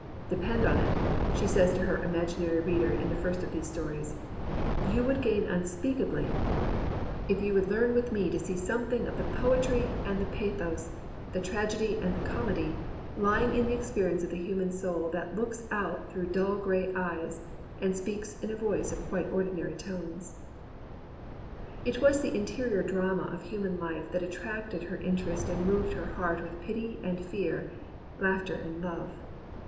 "Depend upon it, [she says to her imaginary reader in the first of these stories,] you would gain imspeakably if you would learn with me to see 143 COMPANIONABLE BOOKS something of the poetry and the pathos, the trag edy and the comedy, lying in the experience of the human soul that looks out through dull gray eyes and speaks in a voice of quite ordinary tones." It was the interior drama of human life that at tracted her interest and moved her heart with pity and fear, laughter and love.